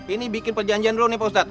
ini bikin perjanjian dulu nih ustadz